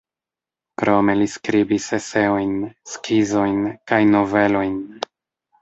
Krome li skribis eseojn, skizojn kaj novelojn.